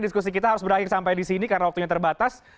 diskusi kita harus berakhir sampai di sini karena waktunya terbatas